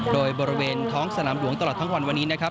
โดยบริเวณท้องสนามหลวงตลอดทั้งวันวันนี้นะครับ